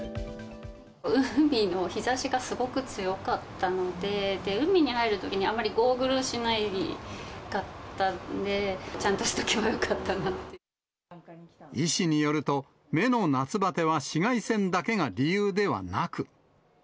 海の日ざしがすごく強かったので、海に入るときに、あまりゴーグルしなかったんで、医師によると、目の夏バテは紫外線だけが理由ではなく。